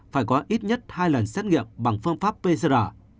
phải có ít nhất hai lần xét nghiệm bằng phương pháp pcr